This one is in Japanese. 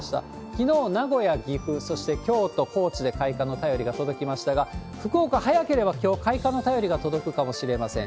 きのう、名古屋、岐阜、そして京都、高知で開花の便りが届きましたが、福岡、早ければきょう開花の便りが届くかもしれません。